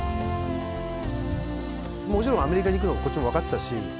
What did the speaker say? もちろんアメリカに行くのはこっちもわかってたし。